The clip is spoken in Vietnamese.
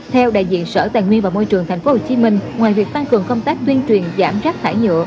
theo đại diện sở tài nguyên và môi trường tp hcm ngoài việc tăng cường công tác tuyên truyền giảm rác thải nhựa